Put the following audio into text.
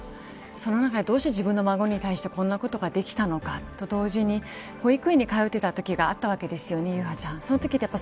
その中で、どうして自分の孫に対して、こういうことができたのか、同時に保育園に通ってたときもあったわけですよね。